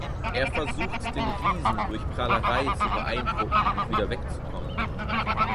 Er versucht, den Riesen durch Prahlerei zu beeindrucken und wieder wegzukommen.